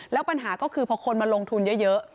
แล้วปัญหาก็คือพอคนมาลงทุนเยอะ